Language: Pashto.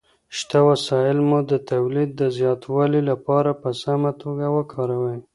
شته وسايل مو د توليد د زياتوالي لپاره په سمه توګه وکاروئ.